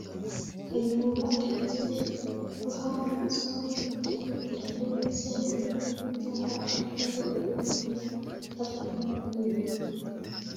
Kayihura aherutse guhamagazwa n’urukiko kugira ngo yisobanure ku byaha ashinjwa byo guhohotera abatavuga rumwe na leta